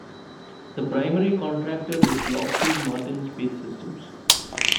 The primary contractor is Lockheed Martin Space Systems.